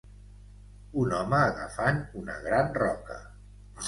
Un home agafant una gran roca.